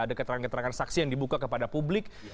ada keterangan keterangan saksi yang dibuka kepada publik